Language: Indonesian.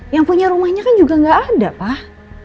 yang punya rumahnya kan juga nggak ada pak